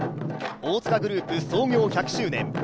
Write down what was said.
大塚グループ創業１００周年。